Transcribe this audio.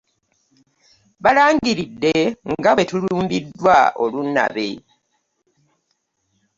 Balangiridde nga bwe tulumbiddwa olunnabe.